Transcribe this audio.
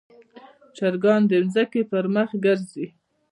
چرګان د ځمکې پر مخ ګرځي.